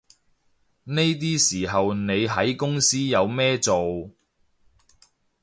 呢啲時候你喺公司有咩做